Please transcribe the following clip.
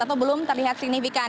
atau belum terlihat signifikan